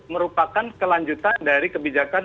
merupakan kelanjutan dari kebijakan